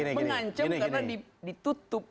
mengancem karena ditutup